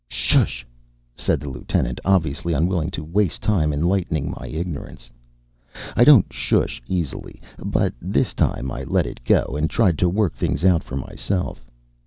"Shush!" said the lieutenant, ob viously unwilling to waste time enlightening my ignorance. I don't shush easily, but this time I let it go and tried to work things out for myself.